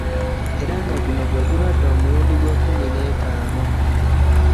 Era nga guno gwe gubadde omulundi ogw'ekkumi n'etaano